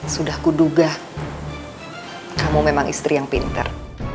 sudah kuduga kamu memang istri yang pintar